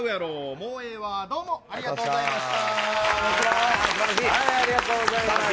もうええわ、ありがとうございました。